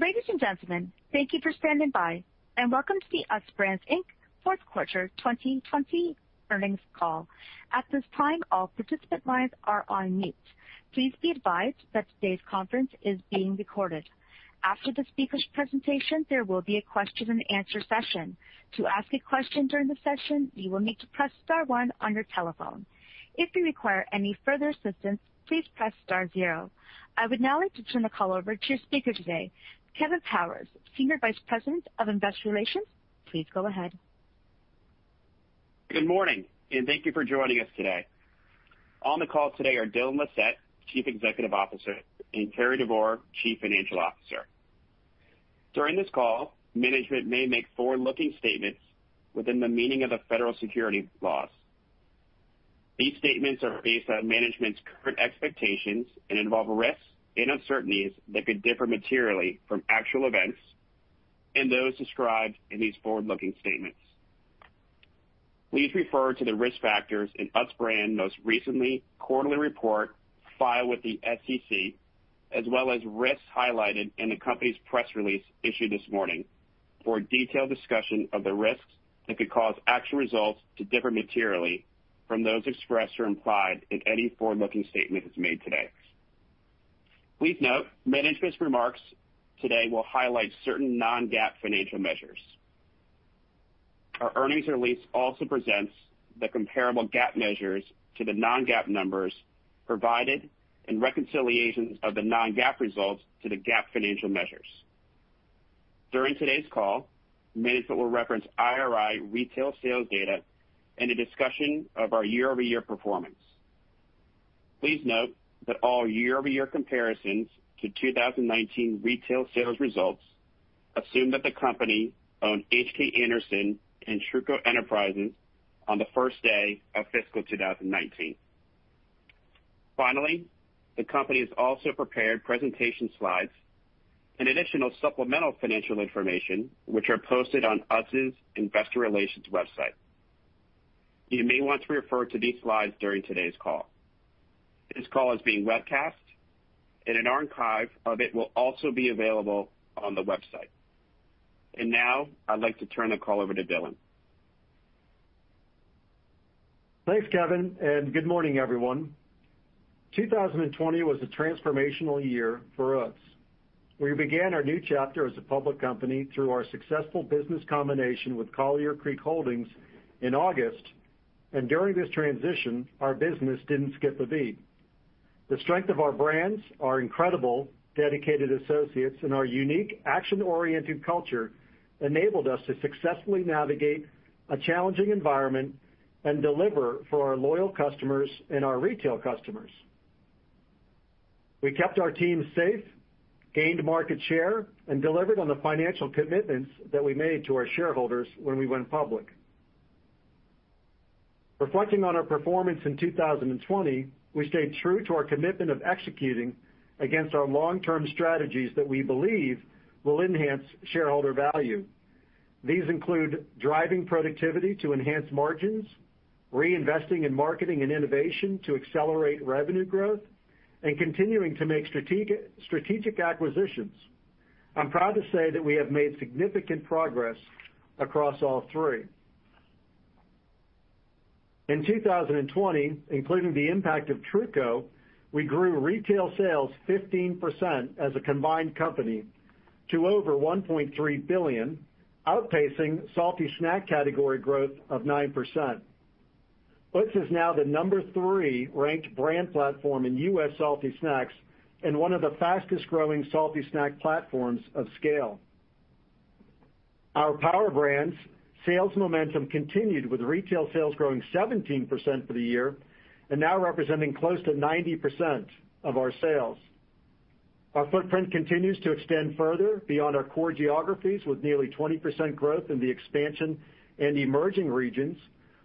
Ladies and gentlemen, thank you for standing by and welcome to the Utz Brands Inc. fourth quarter 2020 earnings call. At this time, all participant lines are on mute. Please be advised that today's conference is being recorded. After the speakers' presentation, there will be a question and answer session. To ask a question during the session, you will need to press star one on your telephone. If you require any further assistance, please press star zero. I would now like to turn the call over to your speaker today, Kevin Powers, Senior Vice President of Investor Relations. Please go ahead. Good morning, thank you for joining us today. On the call today are Dylan Lissette, Chief Executive Officer, and Cary Devore, Chief Financial Officer. During this call, management may make forward-looking statements within the meaning of the federal securities laws. These statements are based on management's current expectations and involve risks and uncertainties that could differ materially from actual events and those described in these forward-looking statements. Please refer to the risk factors in Utz Brands' most recent quarterly report filed with the SEC, as well as risks highlighted in the company's press release issued this morning for a detailed discussion of the risks that could cause actual results to differ materially from those expressed or implied in any forward-looking statements made today. Please note, management's remarks today will highlight certain non-GAAP financial measures. Our earnings release also presents the comparable GAAP measures to the non-GAAP numbers provided and reconciliations of the non-GAAP results to the GAAP financial measures. During today's call, management will reference IRI retail sales data in a discussion of our year-over-year performance. Please note that all year-over-year comparisons to 2019 retail sales results assume that the company owned H.K. Anderson and Truco Enterprises on the first day of fiscal 2019. Finally, the company has also prepared presentation slides and additional supplemental financial information, which are posted on Utz's investor relations website. You may want to refer to these slides during today's call. This call is being webcast, and an archive of it will also be available on the website. Now I'd like to turn the call over to Dylan. Thanks, Kevin, and good morning, everyone. 2020 was a transformational year for us. We began our new chapter as a public company through our successful business combination with Collier Creek Holdings in August, and during this transition, our business didn't skip a beat. The strength of our brands, our incredible dedicated associates, and our unique action-oriented culture enabled us to successfully navigate a challenging environment and deliver for our loyal customers and our retail customers. We kept our team safe, gained market share, and delivered on the financial commitments that we made to our shareholders when we went public. Reflecting on our performance in 2020, we stayed true to our commitment of executing against our long-term strategies that we believe will enhance shareholder value. These include driving productivity to enhance margins, reinvesting in marketing and innovation to accelerate revenue growth, and continuing to make strategic acquisitions. I'm proud to say that we have made significant progress across all three. In 2020, including the impact of Truco, we grew retail sales 15% as a combined company to over $1.3 billion, outpacing salty snack category growth of 9%. Utz is now the number three ranked brand platform in U.S. salty snacks and one of the fastest-growing salty snack platforms of scale. Our Power Brands sales momentum continued with retail sales growing 17% for the year and now representing close to 90% of our sales. Our footprint continues to extend further beyond our core geographies, with nearly 20% growth in the expansion and emerging regions,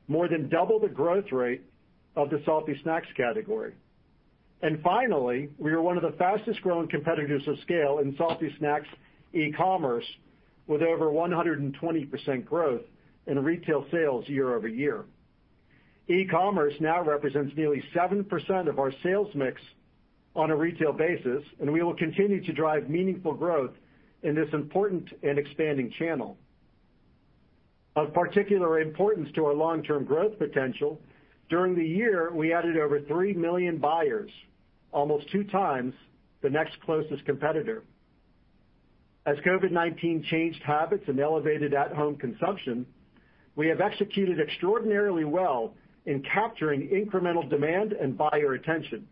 more than double the growth rate of the salty snacks category. Finally, we are one of the fastest-growing competitors of scale in salty snacks e-commerce, with over 120% growth in retail sales year-over-year. E-commerce now represents nearly 7% of our sales mix on a retail basis, and we will continue to drive meaningful growth in this important and expanding channel. Of particular importance to our long-term growth potential, during the year, we added over 3 million buyers, almost two times the next closest competitor. As COVID-19 changed habits and elevated at-home consumption, we have executed extraordinarily well in capturing incremental demand and buyer attention.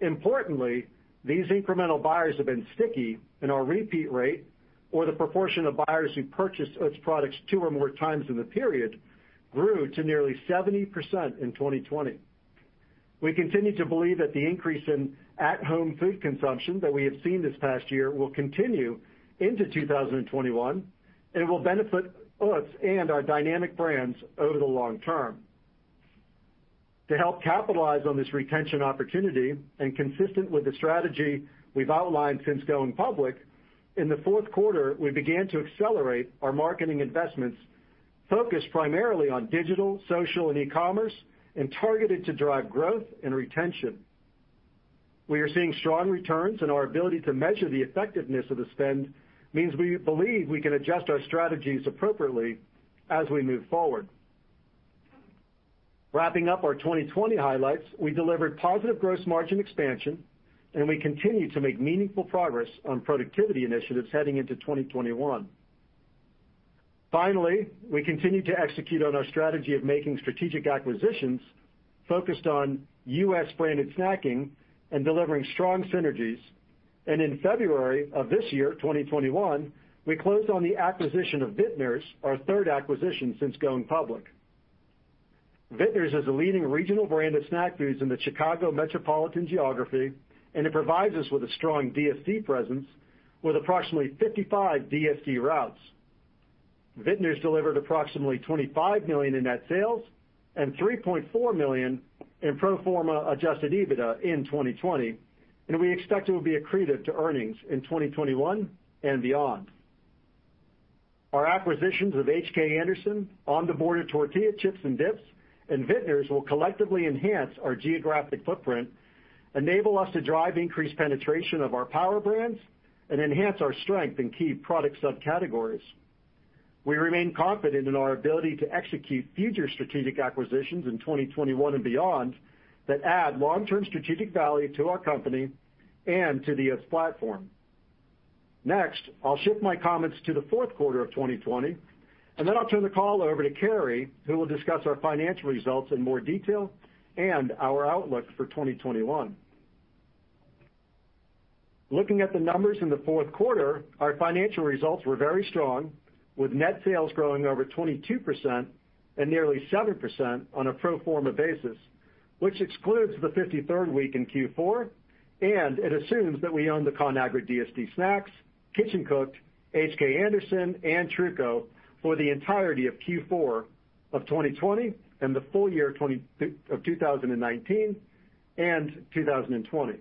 Importantly, these incremental buyers have been sticky, and our repeat rate or the proportion of buyers who purchased Utz products two or more times in the period grew to nearly 70% in 2020. We continue to believe that the increase in at-home food consumption that we have seen this past year will continue into 2021, and it will benefit us and our dynamic brands over the long term. To help capitalize on this retention opportunity and consistent with the strategy we've outlined since going public, in the fourth quarter, we began to accelerate our marketing investments, focused primarily on digital, social, and e-commerce, and targeted to drive growth and retention. We are seeing strong returns, and our ability to measure the effectiveness of the spend means we believe we can adjust our strategies appropriately as we move forward. Wrapping up our 2020 highlights, we delivered positive gross margin expansion, and we continue to make meaningful progress on productivity initiatives heading into 2021. Finally, we continue to execute on our strategy of making strategic acquisitions focused on U.S. branded snacking and delivering strong synergies. In February of this year, 2021, we closed on the acquisition of Vitner's, our third acquisition since going public. Vitner's is a leading regional brand of snack foods in the Chicago metropolitan geography, and it provides us with a strong DSD presence with approximately 55 DSD routes. Vitner's delivered approximately $25 million in net sales and $3.4 million in pro forma adjusted EBITDA in 2020, and we expect it will be accretive to earnings in 2021 and beyond. Our acquisitions of H.K. Anderson, On The Border tortilla chips and dips, and Vitner's will collectively enhance our geographic footprint, enable us to drive increased penetration of our Power Brands, and enhance our strength in key product subcategories. We remain confident in our ability to execute future strategic acquisitions in 2021 and beyond that add long-term strategic value to our company and to the Utz platform. Next, I'll shift my comments to the fourth quarter of 2020, and then I'll turn the call over to Cary, who will discuss our financial results in more detail and our outlook for 2021. Looking at the numbers in the 4th quarter, our financial results were very strong, with net sales growing over 22% and nearly 7% on a pro forma basis, which excludes the 53rd week in Q4, and it assumes that we own the Conagra DSD Snacks, Kitchen Cooked, H.K. Anderson, and Truco for the entirety of Q4 of 2020 and the full year of 2019 and 2020.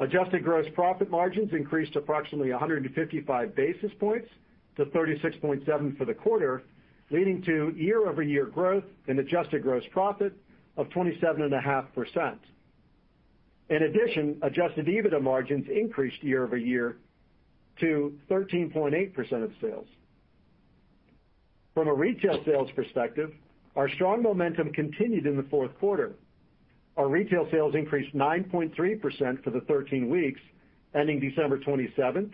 Adjusted gross profit margins increased approximately 155 basis points to 36.7% for the quarter, leading to year-over-year growth in adjusted gross profit of 27.5%. In addition, adjusted EBITDA margins increased year-over-year to 13.8% of sales. From a retail sales perspective, our strong momentum continued in the fourth quarter. Our retail sales increased 9.3% for the 13 weeks ending December 27th,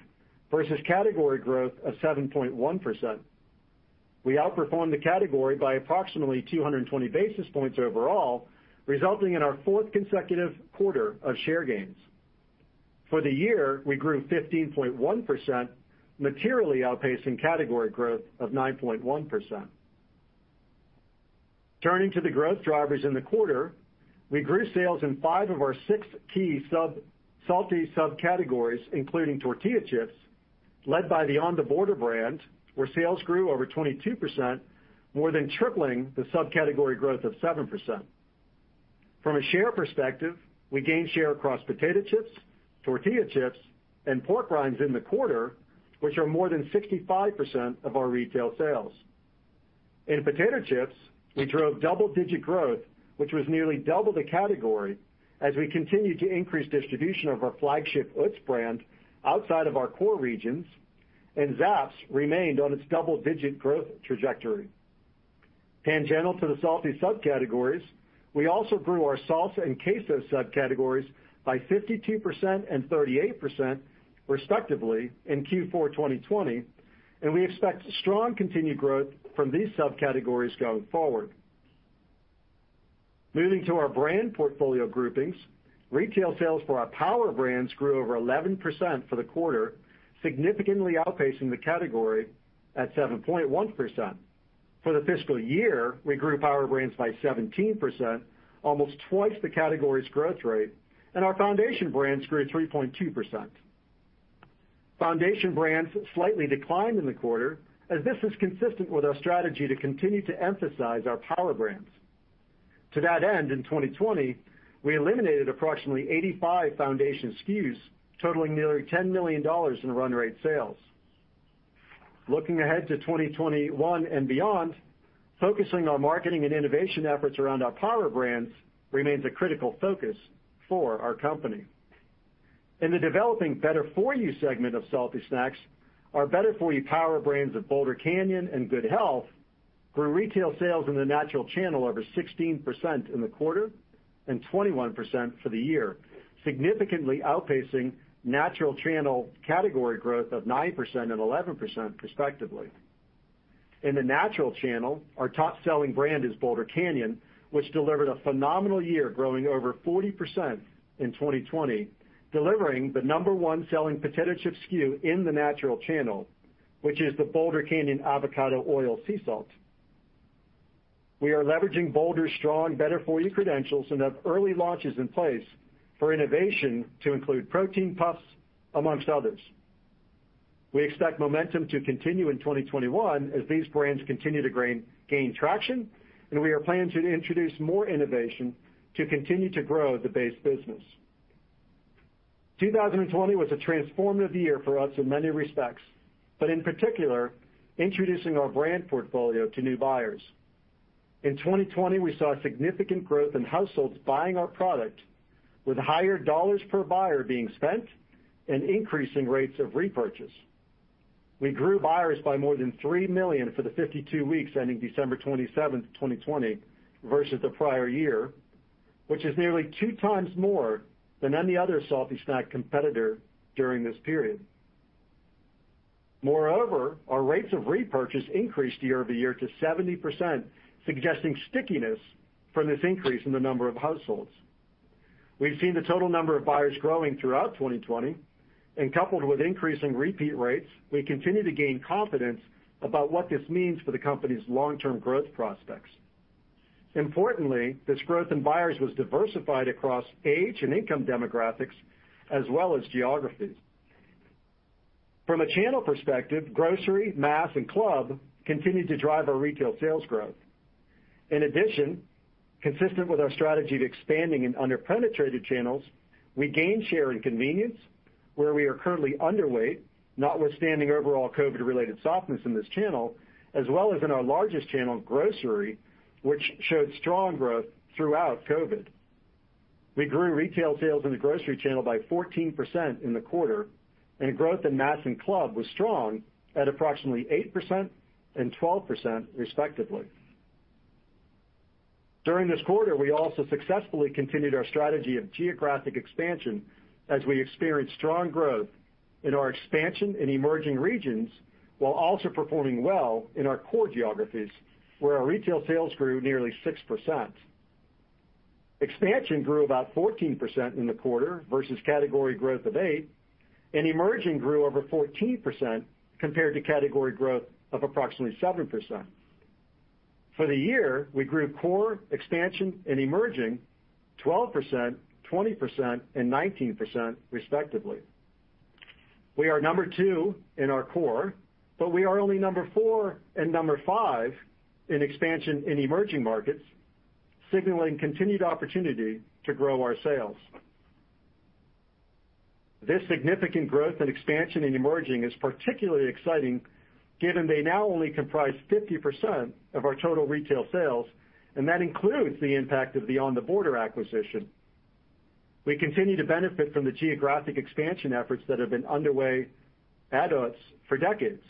versus category growth of 7.1%. We outperformed the category by approximately 220 basis points overall, resulting in our fourth consecutive quarter of share gains. For the year, we grew 15.1%, materially outpacing category growth of 9.1%. Turning to the growth drivers in the quarter, we grew sales in five of our six key salty subcategories, including Tortilla Chips, led by the On The Border brand, where sales grew over 22%, more than tripling the subcategory growth of 7%. From a share perspective, we gained share across potato chips, tortilla chips, and pork rinds in the quarter, which are more than 65% of our retail sales. In potato chips, we drove double-digit growth, which was nearly double the category as we continued to increase distribution of our flagship Utz brand outside of our core regions, and Zapp's remained on its double-digit growth trajectory. Tangential to the salty subcategories, we also grew our salsa and queso subcategories by 52% and 38%, respectively, in Q4 2020, and we expect strong continued growth from these subcategories going forward. Moving to our brand portfolio groupings, retail sales for our Power Brands grew over 11% for the quarter, significantly outpacing the category at 7.1%. For the fiscal year, we grew Power Brands by 17%, almost twice the category's growth rate, and our Foundation Brands grew 3.2%. Foundation Brands slightly declined in the quarter, as this is consistent with our strategy to continue to emphasize our Power Brands. To that end, in 2020, we eliminated approximately 85 Foundation SKUs, totaling nearly $10 million in run rate sales. Looking ahead to 2021 and beyond, focusing on marketing and innovation efforts around our Power Brands remains a critical focus for our company. In the developing better-for-you segment of salty snacks, our better-for-you Power Brands of Boulder Canyon and Good Health grew retail sales in the natural channel over 16% in the quarter and 21% for the year, significantly outpacing natural channel category growth of 9% and 11%, respectively. In the natural channel, our top-selling brand is Boulder Canyon, which delivered a phenomenal year, growing over 40% in 2020, delivering the number one selling potato chip SKU in the natural channel, which is the Boulder Canyon Avocado Oil Sea Salt. We are leveraging Boulder's strong better-for-you credentials and have early launches in place for innovation to include protein puffs, amongst others. We expect momentum to continue in 2021 as these brands continue to gain traction, and we are planning to introduce more innovation to continue to grow the base business. 2020 was a transformative year for us in many respects, but in particular, introducing our brand portfolio to new buyers. In 2020, we saw significant growth in households buying our product, with higher dollars per buyer being spent and increasing rates of repurchase. We grew buyers by more than 3 million for the 52 weeks ending December 27th, 2020 versus the prior year, which is nearly two times more than any other salty snack competitor during this period. Moreover, our rates of repurchase increased year-over-year to 70%, suggesting stickiness from this increase in the number of households. We've seen the total number of buyers growing throughout 2020, and coupled with increasing repeat rates, we continue to gain confidence about what this means for the company's long-term growth prospects. Importantly, this growth in buyers was diversified across age and income demographics as well as geographies. From a channel perspective, grocery, mass, and club continued to drive our retail sales growth. In addition, consistent with our strategy of expanding in under-penetrated channels, we gained share in convenience, where we are currently underweight, notwithstanding overall COVID-related softness in this channel, as well as in our largest channel, grocery, which showed strong growth throughout COVID. We grew retail sales in the grocery channel by 14% in the quarter, and growth in mass and club was strong at approximately 8% and 12% respectively. During this quarter, we also successfully continued our strategy of geographic expansion as we experienced strong growth in our expansion in emerging regions while also performing well in our core geographies, where our retail sales grew nearly 6%. Expansion grew about 14% in the quarter versus category growth of 8%, and emerging grew over 14% compared to category growth of approximately 7%. For the year, we grew core, expansion, and emerging 12%, 20% and 19% respectively. We are number two in our core, but we are only number four and number five in expansion in emerging markets, signaling continued opportunity to grow our sales. This significant growth and expansion in emerging is particularly exciting given they now only comprise 50% of our total retail sales, and that includes the impact of the On The Border acquisition. We continue to benefit from the geographic expansion efforts that have been underway at Utz for decades.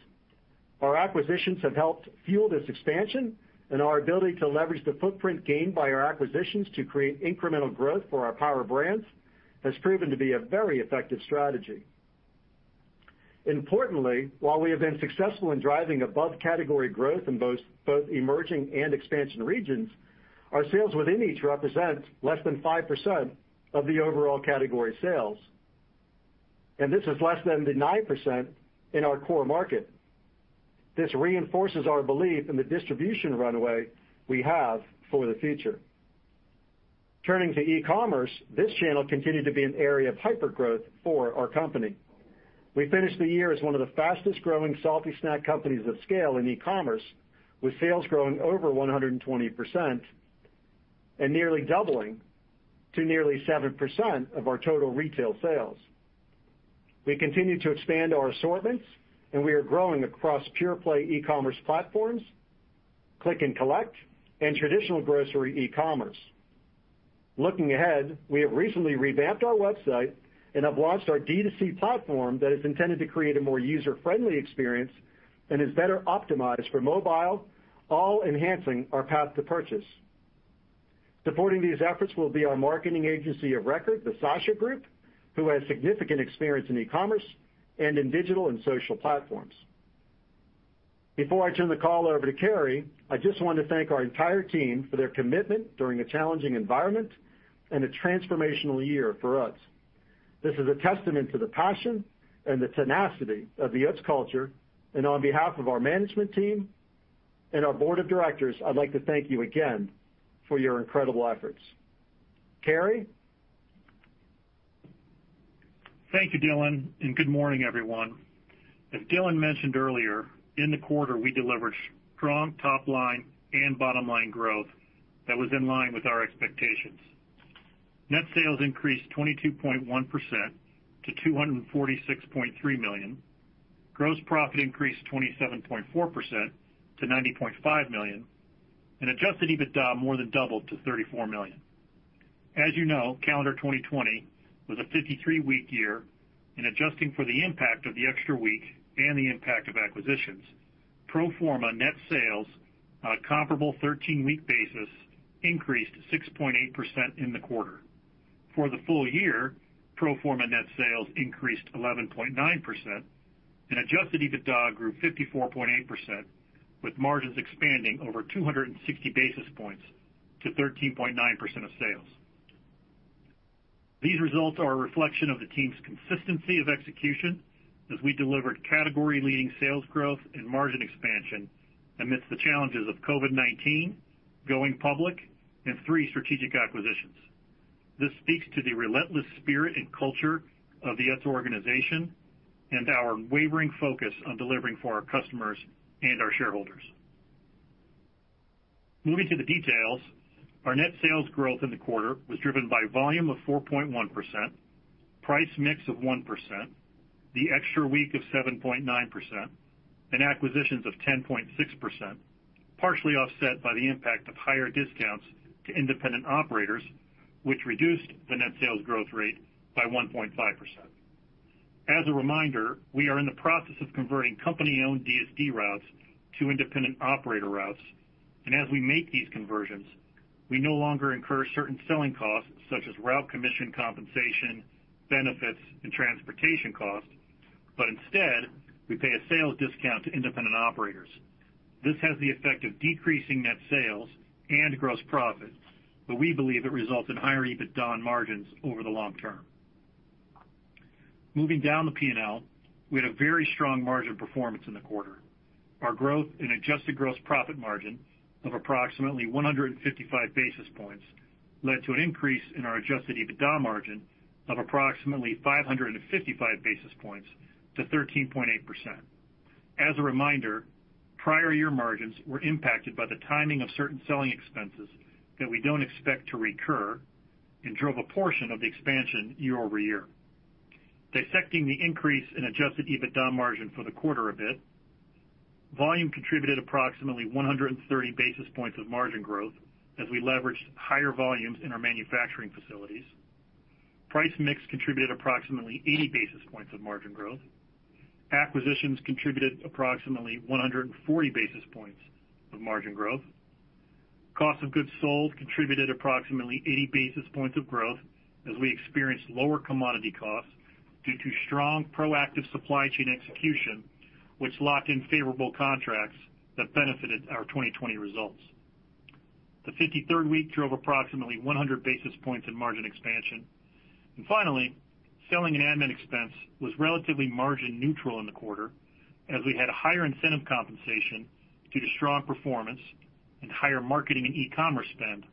Our acquisitions have helped fuel this expansion and our ability to leverage the footprint gained by our acquisitions to create incremental growth for our Power Brands has proven to be a very effective strategy. Importantly, while we have been successful in driving above-category growth in both emerging and expansion regions, our sales within each represent less than 5% of the overall category sales. This is less than the 9% in our core market. This reinforces our belief in the distribution runway we have for the future. Turning to e-commerce, this channel continued to be an area of hypergrowth for our company. We finished the year as one of the fastest-growing salty snack companies of scale in e-commerce, with sales growing over 120% and nearly doubling to nearly 7% of our total retail sales. We continue to expand our assortments, and we are growing across pure-play e-commerce platforms, click and collect, and traditional grocery e-commerce. Looking ahead, we have recently revamped our website and have launched our D2C platform that is intended to create a more user-friendly experience and is better optimized for mobile, all enhancing our path to purchase. Supporting these efforts will be our marketing agency of record, The Sasha Group, who has significant experience in e-commerce and in digital and social platforms. Before I turn the call over to Cary, I just want to thank our entire team for their commitment during a challenging environment and a transformational year for us. This is a testament to the passion and the tenacity of the Utz culture, and on behalf of our management team and our board of directors, I'd like to thank you again for your incredible efforts. Cary? Thank you, Dylan, and good morning, everyone. As Dylan mentioned earlier, in the quarter, we delivered strong top-line and bottom-line growth that was in line with our expectations. Net sales increased 22.1% to $246.3 million. Gross profit increased 27.4% to $90.5 million, and adjusted EBITDA more than doubled to $34 million. As you know, calendar 2020 was a 53-week year, and adjusting for the impact of the extra week and the impact of acquisitions, pro forma net sales on a comparable 13-week basis increased 6.8% in the quarter. For the full year, pro forma net sales increased 11.9% and adjusted EBITDA grew 54.8%, with margins expanding over 260 basis points to 13.9% of sales. These results are a reflection of the team's consistency of execution as we delivered category-leading sales growth and margin expansion amidst the challenges of COVID-19, going public, and three strategic acquisitions. This speaks to the relentless spirit and culture of the Utz organization and our unwavering focus on delivering for our customers and our shareholders. Moving to the details, our net sales growth in the quarter was driven by volume of 4.1%, price mix of 1%, the extra week of 7.9%, acquisitions of 10.6%, partially offset by the impact of higher discounts to independent operators, which reduced the net sales growth rate by 1.5%. As a reminder, we are in the process of converting company-owned DSD routes to independent operator routes. As we make these conversions, we no longer incur certain selling costs such as route commission compensation, benefits, and transportation costs. Instead, we pay a sales discount to independent operators. This has the effect of decreasing net sales and gross profit, but we believe it results in higher EBITDA margins over the long term. Moving down the P&L, we had a very strong margin performance in the quarter. Our growth in adjusted gross profit margin of approximately 155 basis points led to an increase in our adjusted EBITDA margin of approximately 555 basis points to 13.8%. As a reminder, prior year margins were impacted by the timing of certain selling expenses that we don't expect to recur and drove a portion of the expansion year-over-year. Dissecting the increase in adjusted EBITDA margin for the quarter a bit, volume contributed approximately 130 basis points of margin growth as we leveraged higher volumes in our manufacturing facilities. Price mix contributed approximately 80 basis points of margin growth. Acquisitions contributed approximately 140 basis points of margin growth. Cost of goods sold contributed approximately 80 basis points of growth as we experienced lower commodity costs due to strong proactive supply chain execution, which locked in favorable contracts that benefited our 2020 results. The 53rd week drove approximately 100 basis points in margin expansion. Finally, Selling and Admin Expense was relatively margin neutral in the quarter as we had higher incentive compensation due to strong performance and higher marketing and e-commerce spend,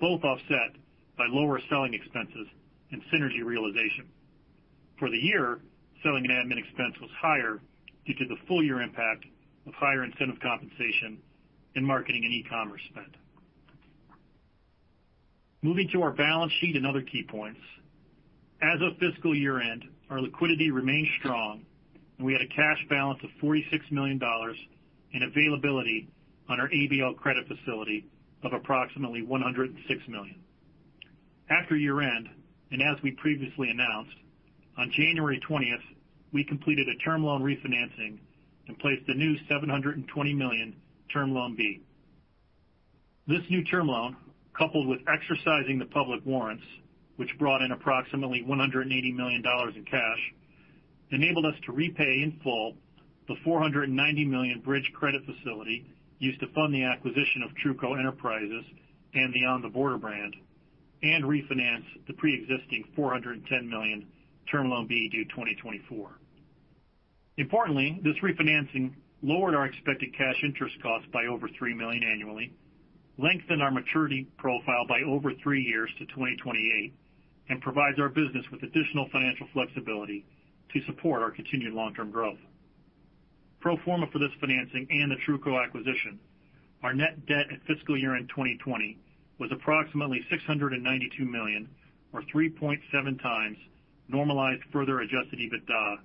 both offset by lower selling expenses and synergy realization. For the year, Selling and Admin Expense was higher due to the full year impact of higher incentive compensation in marketing and e-commerce spend. Moving to our balance sheet and other key points. As of fiscal year-end, our liquidity remained strong, and we had a cash balance of $46 million and availability on our ABL credit facility of approximately $106 million. After year-end, as we previously announced, on January 20th, we completed a term loan refinancing and placed the new $720 million term loan B. This new term loan, coupled with exercising the public warrants, which brought in approximately $180 million in cash, enabled us to repay in full the $490 million bridge credit facility used to fund the acquisition of Truco Enterprises and the On The Border brand, and refinance the preexisting $410 million term loan B due 2024. Importantly, this refinancing lowered our expected cash interest costs by over $3 million annually, lengthened our maturity profile by over three years to 2028, and provides our business with additional financial flexibility to support our continued long-term growth. Pro forma for this financing and the Truco acquisition, our net debt at fiscal year-end 2020 was approximately $692 million or 3.7x normalized further adjusted EBITDA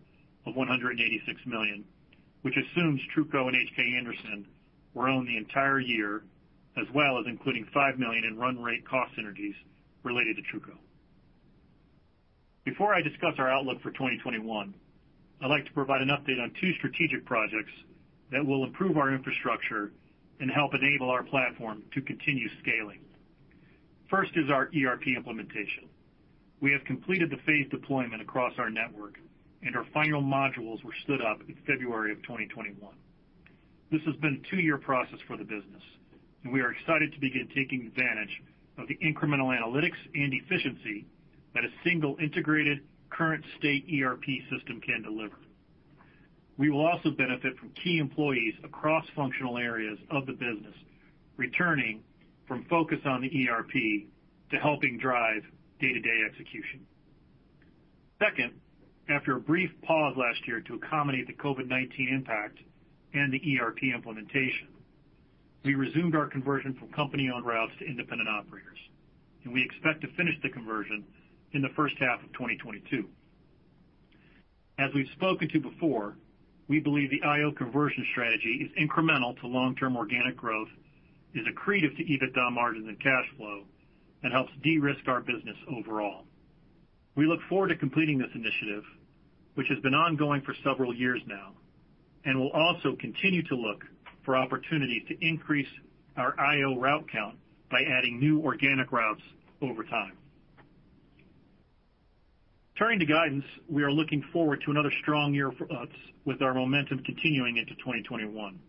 of $186 million, which assumes Truco and H.K. Anderson were owned the entire year, as well as including $5 million in run rate cost synergies related to Truco. Before I discuss our outlook for 2021, I'd like to provide an update on two strategic projects that will improve our infrastructure and help enable our platform to continue scaling. First is our ERP implementation. We have completed the phase deployment across our network, and our final modules were stood up in February of 2021. This has been a two-year process for the business, and we are excited to begin taking advantage of the incremental analytics and efficiency that a single integrated current state ERP system can deliver. We will also benefit from key employees across functional areas of the business returning from focus on the ERP to helping drive day-to-day execution. Second, after a brief pause last year to accommodate the COVID-19 impact and the ERP implementation, we resumed our conversion from company-owned routes to independent operators, and we expect to finish the conversion in the first half of 2022. As we've spoken to before, we believe the IO conversion strategy is incremental to long-term organic growth, is accretive to EBITDA margins and cash flow, and helps de-risk our business overall. We look forward to completing this initiative, which has been ongoing for several years now, and we'll also continue to look for opportunities to increase our IO route count by adding new organic routes over time. Turning to guidance, we are looking forward to another strong year for Utz with our momentum continuing into 2021.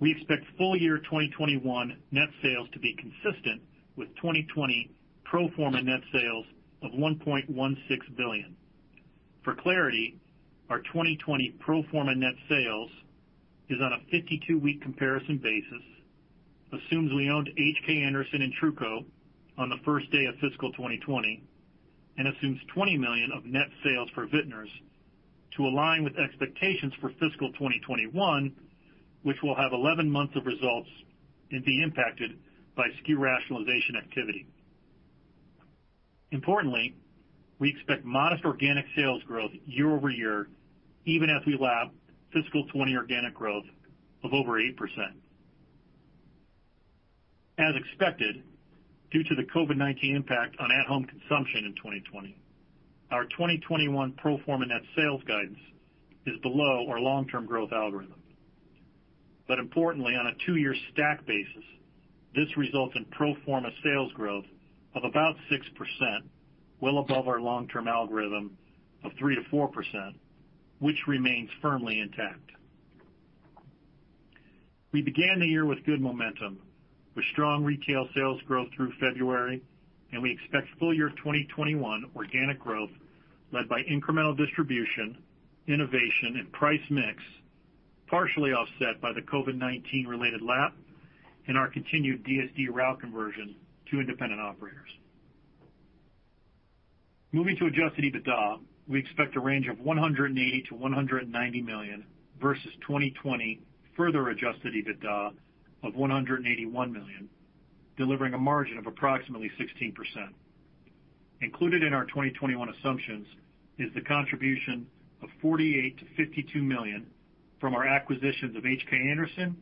We expect full year 2021 net sales to be consistent with 2020 pro forma net sales of $1.16 billion. For clarity, our 2020 pro forma net sales is on a 52-week comparison basis, assumes we owned H.K. Anderson and Truco on the first day of fiscal 2020, and assumes $20 million of net sales for Vitner's. To align with expectations for fiscal 2021, which will have 11 months of results and be impacted by SKU rationalization activity. Importantly, we expect modest organic sales growth year-over-year, even as we lap fiscal 2020 organic growth of over 8%. As expected, due to the COVID-19 impact on at-home consumption in 2020, our 2021 pro forma net sales guidance is below our long-term growth algorithm. Importantly, on a two-year stack basis, this results in pro forma sales growth of about 6%, well above our long-term algorithm of 3%-4%, which remains firmly intact. We began the year with good momentum, with strong retail sales growth through February, and we expect full year 2021 organic growth led by incremental distribution, innovation, and price mix, partially offset by the COVID-19 related lap and our continued DSD route conversion to independent operators. Moving to adjusted EBITDA, we expect a range of $180 million-$190 million versus 2020, further adjusted EBITDA of $181 million, delivering a margin of approximately 16%. Included in our 2021 assumptions is the contribution of $48 million-$52 million from our acquisitions of H.K. Anderson,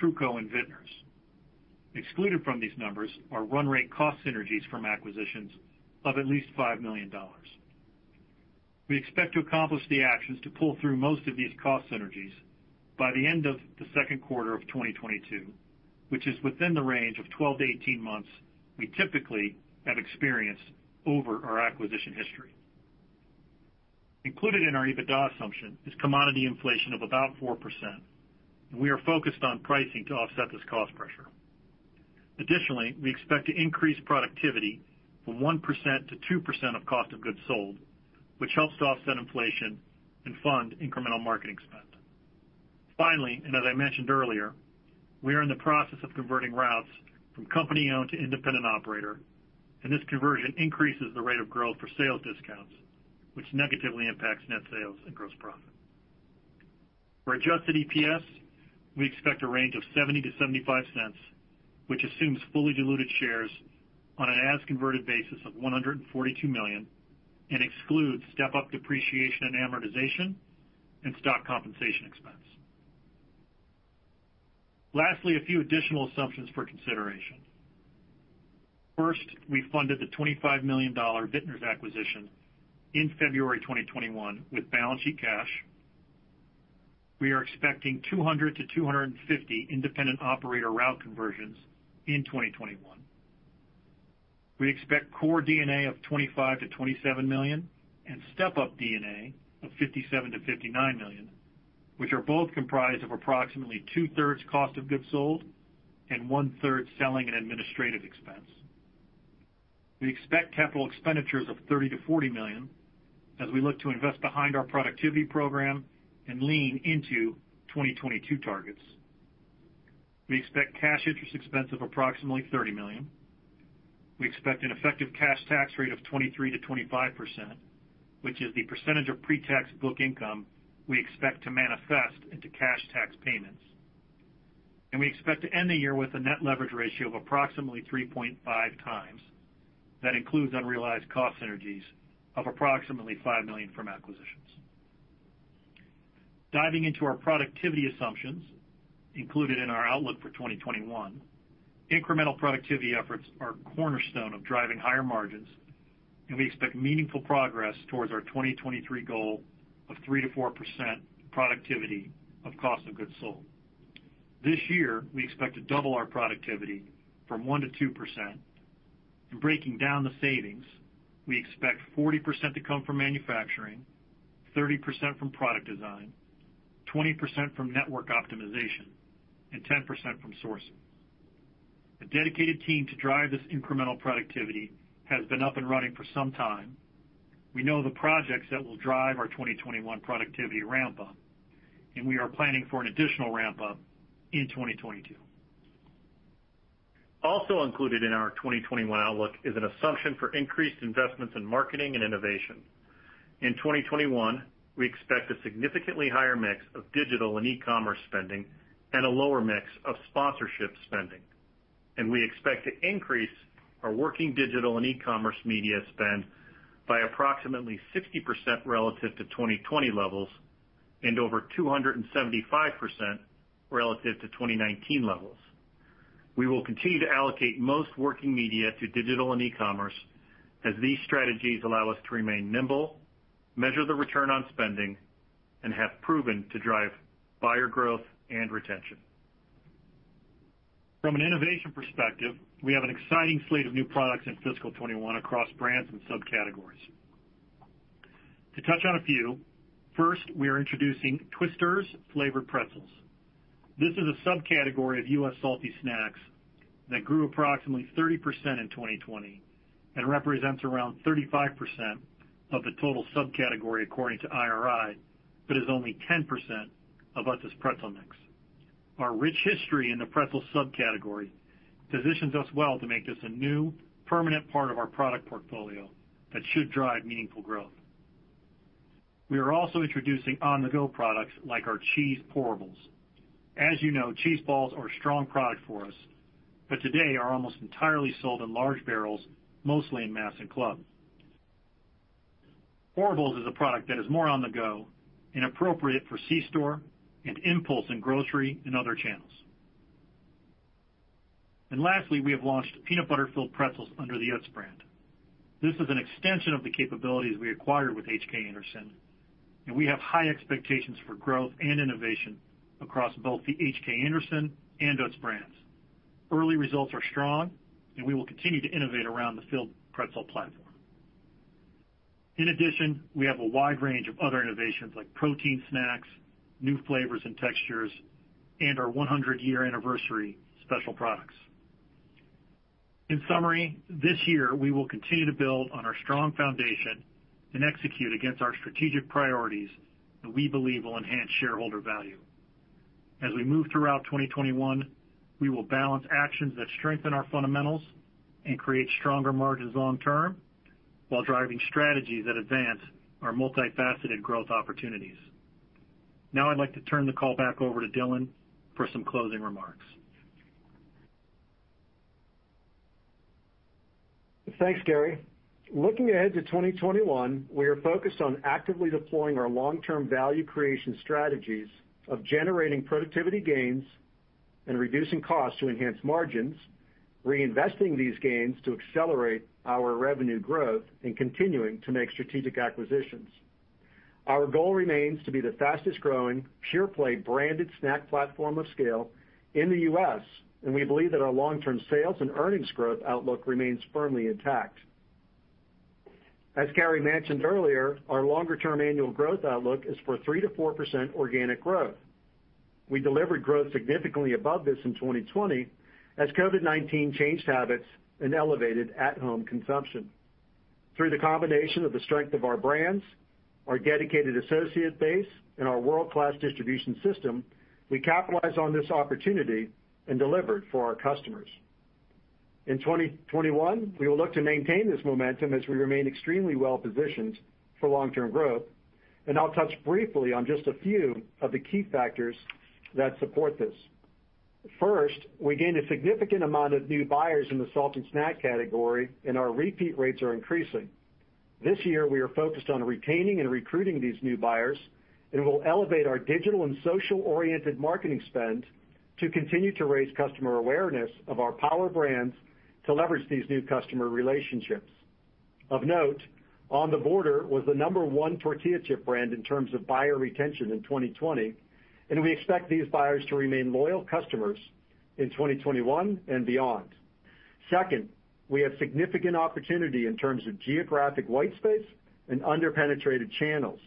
Truco, and Vitner's. Excluded from these numbers are run rate cost synergies from acquisitions of at least $5 million. We expect to accomplish the actions to pull through most of these cost synergies by the end of the second quarter of 2022, which is within the range of 12 months-18 months we typically have experienced over our acquisition history. Included in our EBITDA assumption is commodity inflation of about 4%, and we are focused on pricing to offset this cost pressure. Additionally, we expect to increase productivity from 1%-2% of cost of goods sold, which helps to offset inflation and fund incremental marketing spend. Finally, as I mentioned earlier, we are in the process of converting routes from company-owned to independent operator, and this conversion increases the rate of growth for sales discounts, which negatively impacts net sales and gross profit. For adjusted EPS, we expect a range of $0.70-$0.75, which assumes fully diluted shares on an as-converted basis of 142 million and excludes step-up depreciation and amortization and stock compensation expense. Lastly, a few additional assumptions for consideration. First, we funded the $25 million Vitner's acquisition in February 2021 with balance sheet cash. We are expecting 200-250 independent operator route conversions in 2021. We expect core D&A of $25 million-$27 million and step-up D&A of $57 million-$59 million, which are both comprised of approximately two-thirds cost of goods sold and one-third selling and administrative expense. We expect capital expenditures of $30 million-$40 million as we look to invest behind our productivity program and lean into 2022 targets. We expect cash interest expense of approximately $30 million. We expect an effective cash tax rate of 23%-25%, which is the percentage of pre-tax book income we expect to manifest into cash tax payments. We expect to end the year with a net leverage ratio of approximately 3.5 times. That includes unrealized cost synergies of approximately $5 million from acquisitions. Diving into our productivity assumptions included in our outlook for 2021, incremental productivity efforts are a cornerstone of driving higher margins, and we expect meaningful progress towards our 2023 goal of 3%-4% productivity of cost of goods sold. This year, we expect to double our productivity from 1%-2%. In breaking down the savings, we expect 40% to come from manufacturing, 30% from product design, 20% from network optimization, and 10% from sourcing. A dedicated team to drive this incremental productivity has been up and running for some time. We know the projects that will drive our 2021 productivity ramp-up, and we are planning for an additional ramp-up in 2022. Also included in our 2021 outlook is an assumption for increased investments in marketing and innovation. In 2021, we expect a significantly higher mix of digital and e-commerce spending and a lower mix of sponsorship spending, and we expect to increase our working digital and e-commerce media spend by approximately 60% relative to 2020 levels and over 275% relative to 2019 levels. We will continue to allocate most working media to digital and e-commerce as these strategies allow us to remain nimble, measure the return on spending, and have proven to drive buyer growth and retention. From an innovation perspective, we have an exciting slate of new products in fiscal 2021 across brands and subcategories. To touch on a few, first, we are introducing Twisterz flavored pretzels. This is a subcategory of U.S. salty snacks that grew approximately 30% in 2020 and represents around 35% of the total subcategory, according to IRI, but is only 10% of Utz's pretzel mix. Our rich history in the pretzel subcategory positions us well to make this a new permanent part of our product portfolio that should drive meaningful growth. We are also introducing on-the-go products like our cheese pourables. As you know, cheese balls are a strong product for us, but today are almost entirely sold in large barrels, mostly in mass and club. Pourables is a product that is more on the go and appropriate for C-store and impulse in grocery and other channels. Lastly, we have launched peanut butter-filled pretzels under the Utz brand. This is an extension of the capabilities we acquired with H.K. Anderson, we have high expectations for growth and innovation across both the H.K. Anderson and Utz Brands. Early results are strong. We will continue to innovate around the filled pretzel platform. In addition, we have a wide range of other innovations like protein snacks, new flavors and textures, and our 100-year anniversary special products. In summary, this year, we will continue to build on our strong foundation and execute against our strategic priorities that we believe will enhance shareholder value. As we move throughout 2021, we will balance actions that strengthen our fundamentals and create stronger margins long term while driving strategies that advance our multifaceted growth opportunities. Now I'd like to turn the call back over to Dylan for some closing remarks. Thanks, Cary. Looking ahead to 2021, we are focused on actively deploying our long-term value creation strategies of generating productivity gains and reducing costs to enhance margins, reinvesting these gains to accelerate our revenue growth, and continuing to make strategic acquisitions. Our goal remains to be the fastest-growing pure-play branded snack platform of scale in the U.S., and we believe that our long-term sales and earnings growth outlook remains firmly intact. As Cary mentioned earlier, our longer-term annual growth outlook is for 3%-4% organic growth. We delivered growth significantly above this in 2020 as COVID-19 changed habits and elevated at-home consumption. Through the combination of the strength of our brands, our dedicated associate base, and our world-class distribution system, we capitalized on this opportunity and delivered for our customers. In 2021, we will look to maintain this momentum as we remain extremely well positioned for long-term growth, and I'll touch briefly on just a few of the key factors that support this. First, we gained a significant amount of new buyers in the salty snack category, and our repeat rates are increasing. This year, we are focused on retaining and recruiting these new buyers, and we'll elevate our digital and social-oriented marketing spend to continue to raise customer awareness of our Power Brands to leverage these new customer relationships. Of note, On The Border was the number one tortilla chip brand in terms of buyer retention in 2020, and we expect these buyers to remain loyal customers in 2021 and beyond. Second, we have significant opportunity in terms of geographic white space and under-penetrated channels.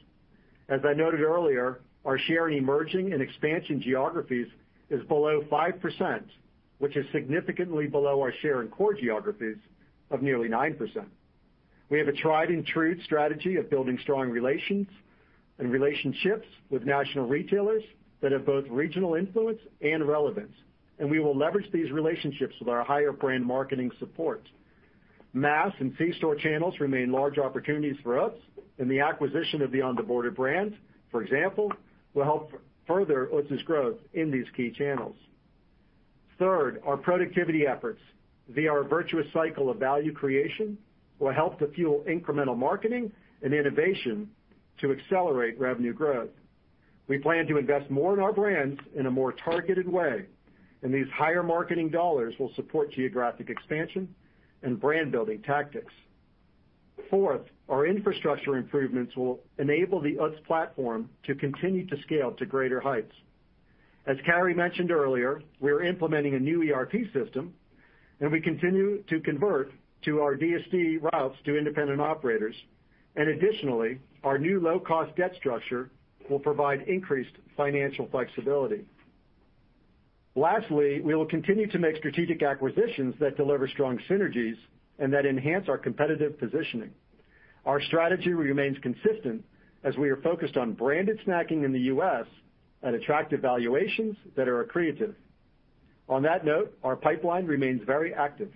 As I noted earlier, our share in emerging and expansion geographies is below 5%, which is significantly below our share in core geographies of nearly 9%. We have a tried and true strategy of building strong relations and relationships with national retailers that have both regional influence and relevance. We will leverage these relationships with our higher brand marketing support. Mass and C-store channels remain large opportunities for us. The acquisition of the On The Border brand, for example, will help further Utz's growth in these key channels. Third, our productivity efforts via our virtuous cycle of value creation will help to fuel incremental marketing and innovation to accelerate revenue growth. We plan to invest more in our brands in a more targeted way. These higher marketing dollars will support geographic expansion and brand-building tactics. Fourth, our infrastructure improvements will enable the Utz platform to continue to scale to greater heights. As Cary mentioned earlier, we are implementing a new ERP system, we continue to convert to our DSD routes to independent operators. Additionally, our new low-cost debt structure will provide increased financial flexibility. Lastly, we will continue to make strategic acquisitions that deliver strong synergies and that enhance our competitive positioning. Our strategy remains consistent as we are focused on branded snacking in the U.S. at attractive valuations that are accretive. On that note, our pipeline remains very active.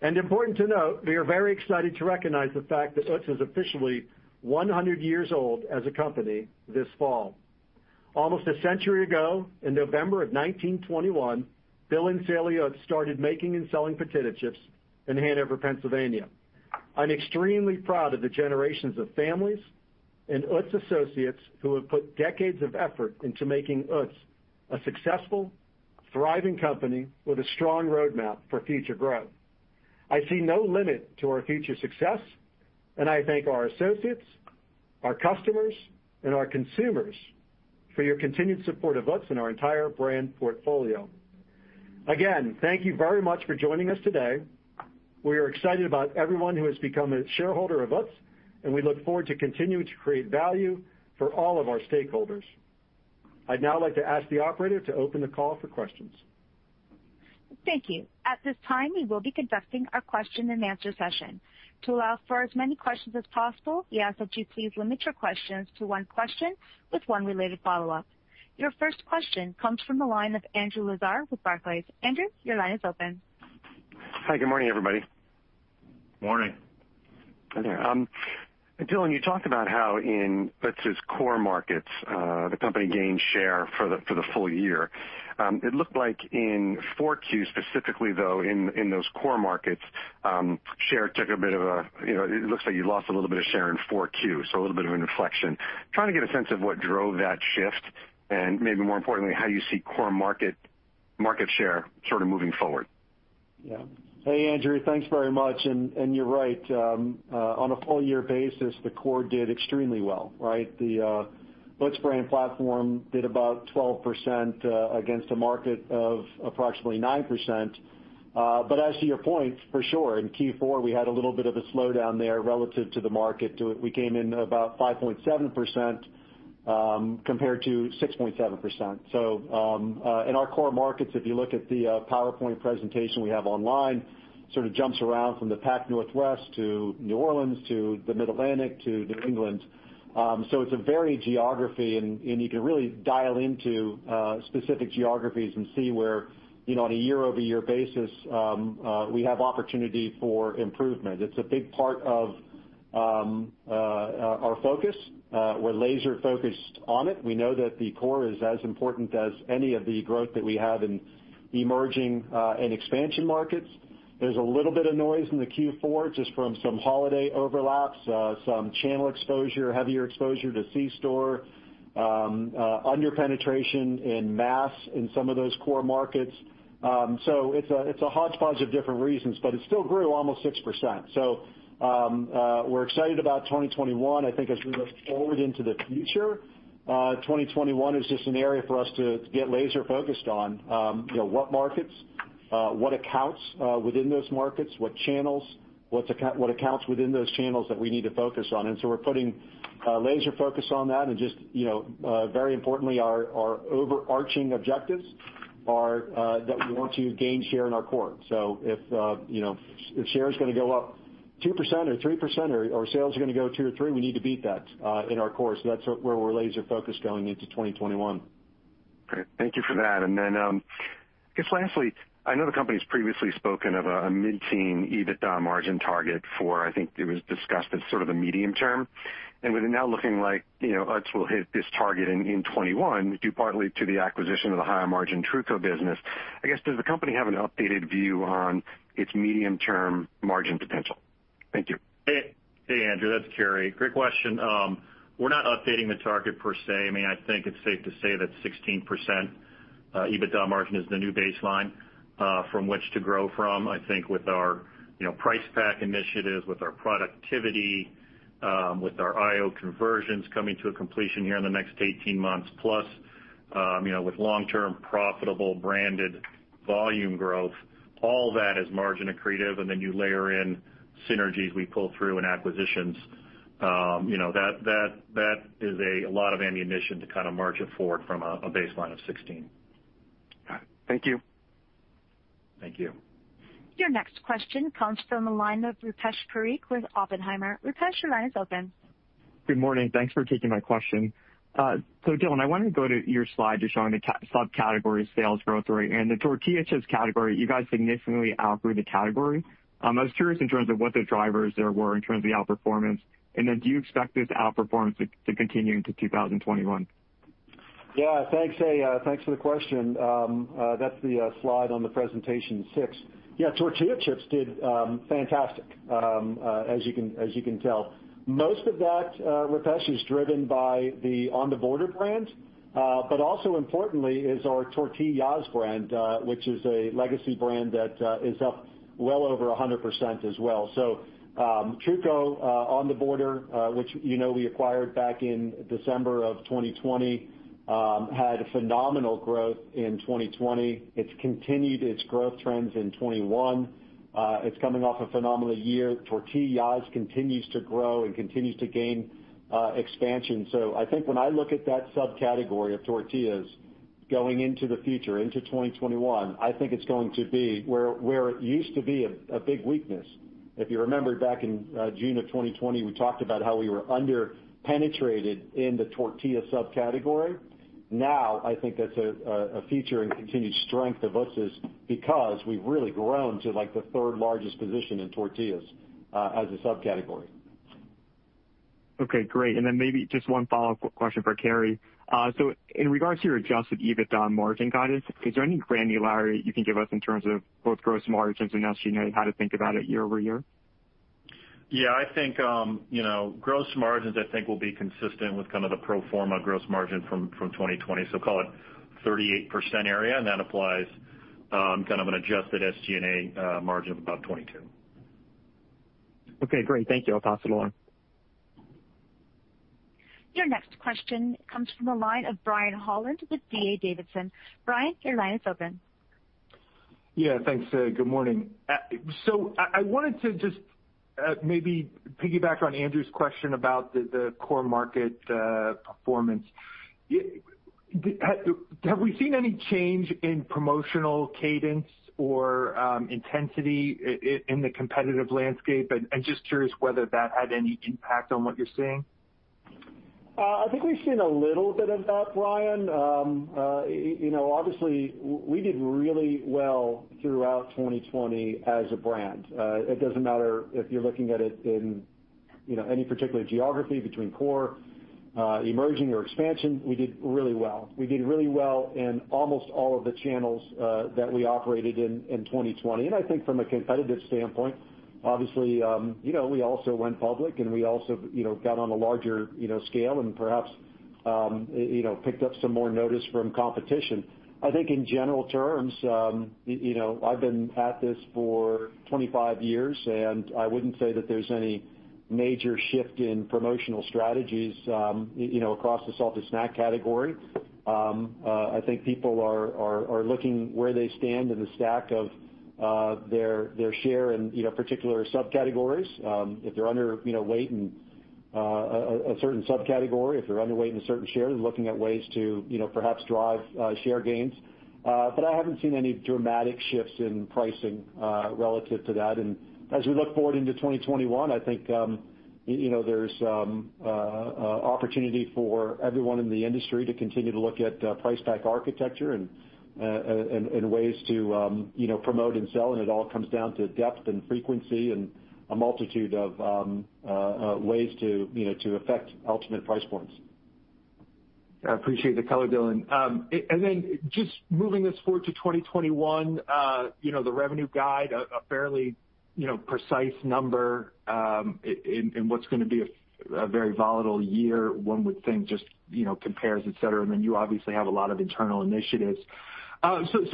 Important to note, we are very excited to recognize the fact that Utz is officially 100 years old as a company this fall. Almost a century ago, in November of 1921, Bill and Salie Utz started making and selling potato chips in Hanover, Pennsylvania. I'm extremely proud of the generations of families and Utz associates who have put decades of effort into making Utz a successful, thriving company with a strong roadmap for future growth. I see no limit to our future success. I thank our associates, our customers, and our consumers for your continued support of Utz and our entire brand portfolio. Again, thank you very much for joining us today. We are excited about everyone who has become a shareholder of Utz. We look forward to continuing to create value for all of our stakeholders. I'd now like to ask the operator to open the call for questions. Thank you. At this time, we will be conducting our question and answer session. To allow for as many questions as possible, we ask that you please limit your questions to one question with one related follow-up. Your first question comes from the line of Andrew Lazar with Barclays. Andrew, your line is open. Hi. Good morning, everybody. Morning. Hi there. Dylan, you talked about how in, let's say, core markets, the company gained share for the full year. It looked like in 4Q specifically, though, in those core markets, it looks like you lost a little bit of share in 4Q, so a little bit of an inflection. Trying to get a sense of what drove that shift, and maybe more importantly, how you see core market share sort of moving forward. Hey, Andrew. Thanks very much. You're right. On a full year basis, the core did extremely well, right? The Utz platform did about 12% against a market of approximately 9%. As to your point, for sure, in Q4, we had a little bit of a slowdown there relative to the market. We came in about 5.7% compared to 6.7%. In our core markets, if you look at the PowerPoint presentation we have online, sort of jumps around from the Pacific Northwest to New Orleans to the Mid-Atlantic to New England. It's a varied geography, and you can really dial into specific geographies and see where on a year-over-year basis we have opportunity for improvement. It's a big part of our focus. We're laser-focused on it. We know that the core is as important as any of the growth that we have in emerging and expansion markets. There's a little bit of noise in the Q4 just from some holiday overlaps, some channel exposure, heavier exposure to C-store, under-penetration in mass in some of those core markets. It's a hodgepodge of different reasons, but it still grew almost 6%. We're excited about 2021. I think as we look forward into the future, 2021 is just an area for us to get laser-focused on what markets, what accounts within those markets, what channels, what accounts within those channels that we need to focus on. We're putting laser focus on that, and just very importantly, our overarching objectives are that we want to gain share in our core. If share is going to go up 2% or 3%, or our sales are going to go two or three, we need to beat that in our core. That's where we're laser-focused going into 2021. Great. Thank you for that. Then, I guess lastly, I know the company's previously spoken of a mid-teen EBITDA margin target for, I think it was discussed as sort of the medium term. With it now looking like Utz will hit this target in 2021, due partly to the acquisition of the higher margin Truco business, I guess, does the company have an updated view on its medium-term margin potential? Thank you. Hey, Andrew. That's Cary. Great question. We're not updating the target per se. I think it's safe to say that 16% EBITDA margin is the new baseline from which to grow from. I think with our price pack initiatives, with our productivity, with our IO conversions coming to a completion here in the next 18 months plus, with long-term profitable branded volume growth, all that is margin accretive. You layer in synergies we pull through in acquisitions. That is a lot of ammunition to kind of march it forward from a baseline of 16. Got it. Thank you. Thank you. Your next question comes from the line of Rupesh Parikh with Oppenheimer. Rupesh, your line is open. Good morning. Thanks for taking my question. Dylan, I wanted to go to your slide just showing the subcategory sales growth rate and the tortilla chips category, you guys significantly outgrew the category. I was curious in terms of what the drivers there were in terms of the outperformance, then do you expect this outperformance to continue into 2021? Yeah. Thanks for the question. That's the slide on the presentation six. Yeah, tortilla chips did fantastic, as you can tell. Most of that, Rupesh, is driven by the On The Border brand, but also importantly is our TORTIYAHS! brand, which is a legacy brand that is up well over 100% as well. Truco, On The Border, which you know we acquired back in December of 2020, had phenomenal growth in 2020. It's continued its growth trends in 2021. It's coming off a phenomenal year. TORTIYAHS! continues to grow and continues to gain expansion. I think when I look at that subcategory of tortillas going into the future, into 2021, I think it's going to be where it used to be a big weakness. If you remember back in June of 2020, we talked about how we were under-penetrated in the tortilla subcategory. I think that's a feature and continued strength of Utz's because we've really grown to the third largest position in tortillas as a subcategory. Okay, great. Maybe just one follow-up question for Cary. In regards to your adjusted EBITDA margin guidance, is there any granularity you can give us in terms of both gross margins and SG&A, how to think about it year-over-year? Yeah. Gross margins, I think, will be consistent with kind of the pro forma gross margin from 2020. Call it 38% area, and that applies kind of an adjusted SG&A margin of above 22%. Okay, great. Thank you. I'll pass it along. Your next question comes from the line of Brian Holland with D.A. Davidson. Brian, your line is open. Yeah, thanks. Good morning. I wanted to just maybe piggyback on Andrew's question about the core market performance. Have we seen any change in promotional cadence or intensity in the competitive landscape? I'm just curious whether that had any impact on what you're seeing. I think we've seen a little bit of that, Brian. Obviously, we did really well throughout 2020 as a brand. It doesn't matter if you're looking at it in any particular geography between core, emerging, or expansion, we did really well. We did really well in almost all of the channels that we operated in 2020. I think from a competitive standpoint, obviously, we also went public, and we also got on a larger scale and perhaps picked up some more notice from competition. I think in general terms, I've been at this for 25 years, and I wouldn't say that there's any major shift in promotional strategies across the salted snack category. I think people are looking where they stand in the stack of their share in particular subcategories. If they're underweight in a certain subcategory, if they're underweight in a certain share, they're looking at ways to perhaps drive share gains. I haven't seen any dramatic shifts in pricing relative to that. As we look forward into 2021, I think there's opportunity for everyone in the industry to continue to look at price-pack architecture and ways to promote and sell, and it all comes down to depth and frequency and a multitude of ways to affect ultimate price points. I appreciate the color, Dylan. Just moving us forward to 2021, the revenue guide, a fairly precise number in what's going to be a very volatile year, one would think, just compares, et cetera, and then you obviously have a lot of internal initiatives.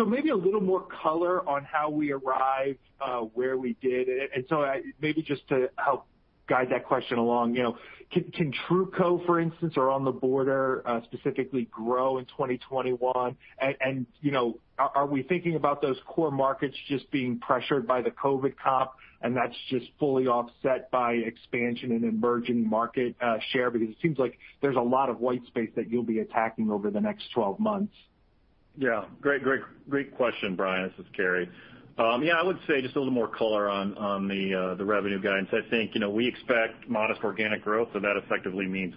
Maybe a little more color on how we arrived where we did. Maybe just to help guide that question along, can Truco, for instance, or On The Border specifically grow in 2021? Are we thinking about those core markets just being pressured by the COVID comp, and that's just fully offset by expansion in emerging market share? It seems like there's a lot of white space that you'll be attacking over the next 12 months. Yeah. Great question, Brian. This is Cary. Yeah, I would say just a little more color on the revenue guidance. I think we expect modest organic growth, so that effectively means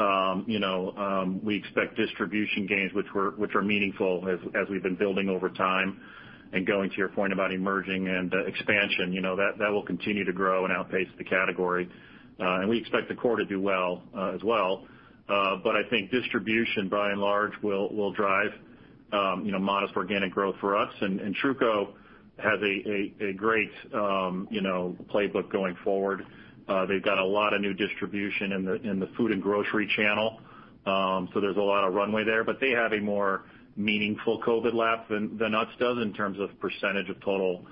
Utz. We expect distribution gains, which were meaningful as we've been building over time. Going to your point about emerging and expansion, that will continue to grow and outpace the category. We expect the core to do well as well. I think distribution, by and large, will drive modest organic growth for us. Truco has a great playbook going forward. They've got a lot of new distribution in the food and grocery channel, so there's a lot of runway there. They have a more meaningful COVID lap than Utz does in terms of percentage of total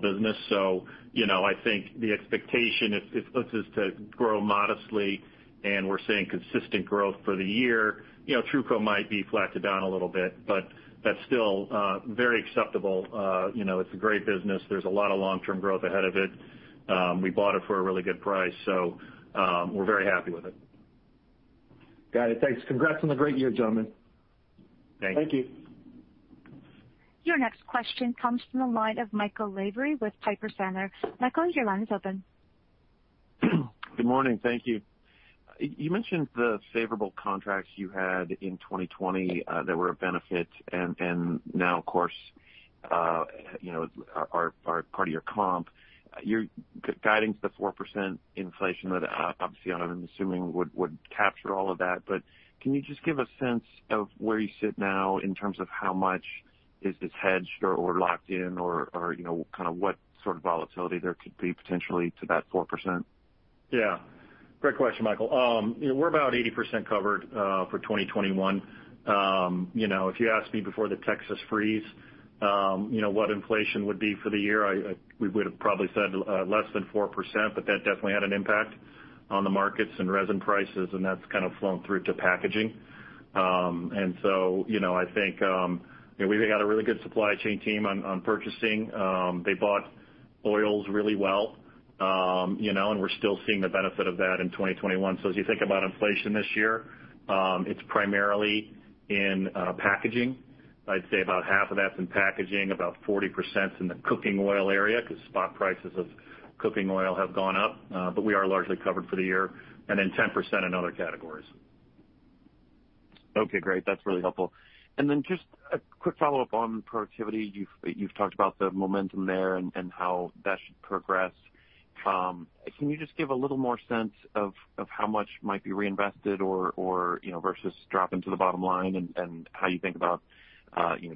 business. I think the expectation, if Utz is to grow modestly, and we're seeing consistent growth for the year, Truco might be flat to down a little bit, but that's still very acceptable. It's a great business. There's a lot of long-term growth ahead of it. We bought it for a really good price, so we're very happy with it. Got it. Thanks. Congrats on the great year, gentlemen. Thank you. Thank you. Your next question comes from the line of Michael Lavery with Piper Sandler. Michael, your line is open. Good morning. Thank you. You mentioned the favorable contracts you had in 2020 that were a benefit and now, of course, are part of your comp. You're guiding to the 4% inflation that obviously I'm assuming would capture all of that. Can you just give a sense of where you sit now in terms of how much is this hedged or locked in, or what sort of volatility there could be potentially to that 4%? Yeah. Great question, Michael. We're about 80% covered for 2021. If you asked me before the Texas freeze what inflation would be for the year, we would've probably said less than 4%, that definitely had an impact on the markets and resin prices, and that's kind of flown through to packaging. I think we've got a really good supply chain team on purchasing. They bought oils really well, and we're still seeing the benefit of that in 2021. As you think about inflation this year, it's primarily in packaging. I'd say about half of that's in packaging, about 40%'s in the cooking oil area, because spot prices of cooking oil have gone up, we are largely covered for the year, and then 10% in other categories. Okay, great. That's really helpful. Just a quick follow-up on productivity. You've talked about the momentum there and how that should progress. Can you just give a little more sense of how much might be reinvested versus dropping to the bottom line and how you think about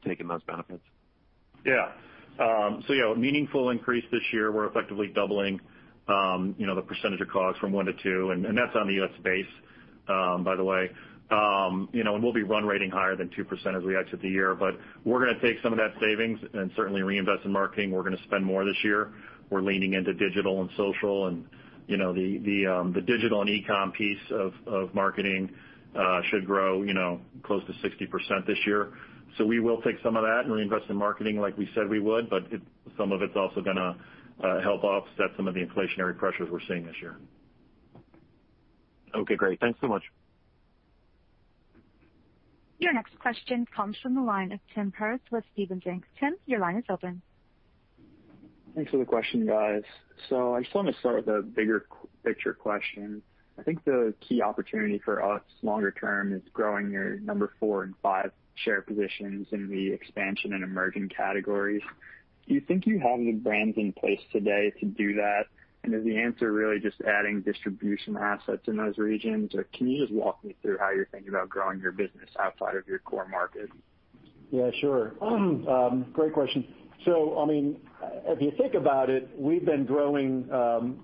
taking those benefits? Yeah. Yeah, a meaningful increase this year. We're effectively doubling the percentage of costs from 1%-2%, and that's on the Utz base, by the way. We'll be run rating higher than 2% as we exit the year. We're gonna take some of that savings and certainly reinvest in marketing. We're gonna spend more this year. We're leaning into digital and social. The digital and e-com piece of marketing should grow close to 60% this year. We will take some of that and reinvest in marketing like we said we would, but some of it's also gonna help offset some of the inflationary pressures we're seeing this year. Okay, great. Thanks so much. Your next question comes from the line of Tim Perz with Stephens Inc. Tim, your line is open. Thanks for the question, guys. I just want to start with a bigger picture question. I think the key opportunity for us longer term is growing your number four and five share positions in the expansion and emerging categories. Do you think you have the brands in place today to do that? Is the answer really just adding distribution assets in those regions? Can you just walk me through how you're thinking about growing your business outside of your core market? Yeah, sure. Great question. If you think about it, we've been growing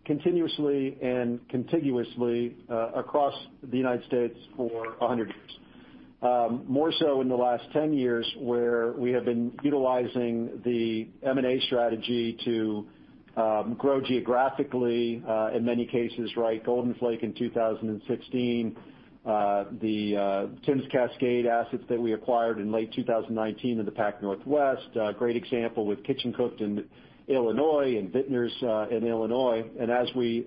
continuously and contiguously across the United States for 100 years. More so in the last 10 years, where we have been utilizing the M&A strategy to grow geographically, in many cases. Golden Flake in 2016, the Tim's Cascade assets that we acquired in late 2019 in the Pac Northwest. A great example with Kitchen Cooked in Illinois and Vitner's, in Illinois. As we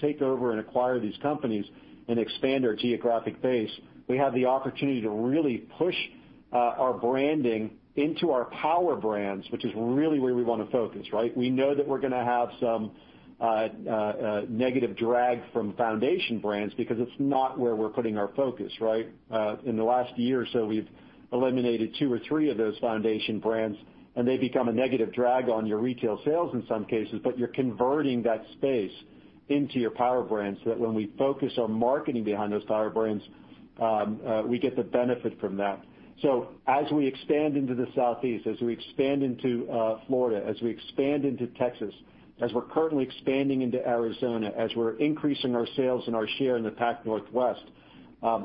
take over and acquire these companies and expand our geographic base, we have the opportunity to really push our branding into our Power Brands, which is really where we want to focus. We know that we're going to have some negative drag from Foundation Brands because it's not where we're putting our focus. In the last year or so, we've eliminated two or three of those Foundation Brands, and they become a negative drag on your retail sales in some cases, but you're converting that space into your Power Brands so that when we focus on marketing behind those Power Brands, we get the benefit from that. As we expand into the Southeast, as we expand into Florida, as we expand into Texas, as we're currently expanding into Arizona, as we're increasing our sales and our share in the Pac Northwest,